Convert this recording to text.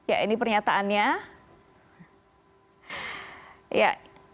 ya ini pernyataannya